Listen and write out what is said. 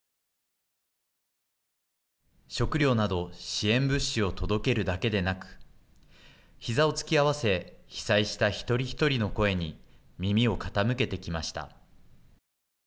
食料など支援物資を届けるだけでなくひざをつき合わせ被災した一人一人の声に耳を傾けてきました。